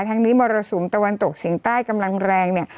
ทั้งนี้มรสุมตะวันตกเฉียงใต้กำลังแรงเนี่ย